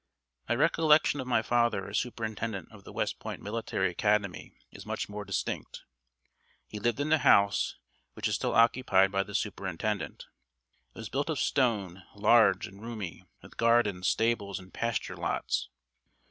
My recollection of my father as Superintendent of the West Point Military Academy is much more distinct. He lived in the house which is still occupied by the Superintendent. It was built of stone, large and roomy, with gardens, stables, and pasture lots.